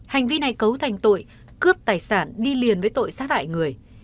hành vi này cấu thành tội cướp tài sản đi liền với tội sát hại người